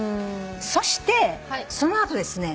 そしてその後ですね